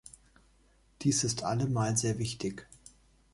Dies ist allemal sehr wichtig.